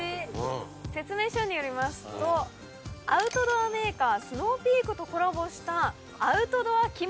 説明書によりますとアウトドアメーカースノーピークとコラボしたアウトドア着物。